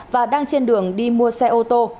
và đang trên đường đi mua xe ô tô